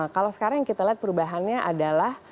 kalau sekarang kita lihat perubahannya adalah